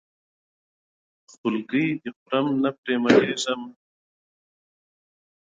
خولګۍ دې خورم نه پرې مړېږم نامردې تا پکې ګني کرلي دينه